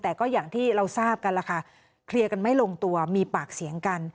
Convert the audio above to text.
แต่ก็อย่างที่เราทราบกันล่ะค่ะเคลียร์กันไม่ลงตัวมีปากเสียงกัน